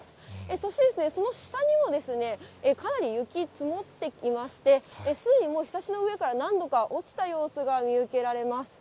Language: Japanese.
そしてその下にも、かなり雪積もっていまして、すでにもう、ひさしの上から何度か落ちた様子が見受けられます。